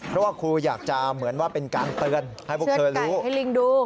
เพราะว่าครูอยากจะเหมือนว่าเป็นการเตือน